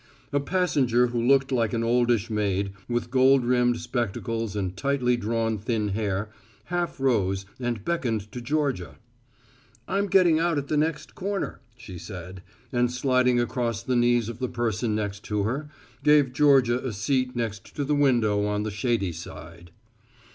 A passenger who looked like an oldish maid, with gold rimmed spectacles and tightly drawn thin hair, half rose and beckoned to Georgia. "I'm getting out at the next corner," she said, and sliding across the knees of the person next to her, gave Georgia a seat next the window on the shady side.